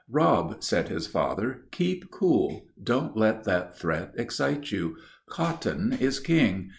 "Rob," said his father, "keep cool; don't let that threat excite you. Cotton is king.